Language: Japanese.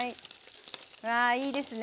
わあいいですね。